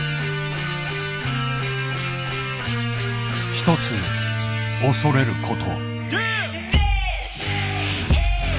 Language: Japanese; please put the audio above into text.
ひとつ恐れること。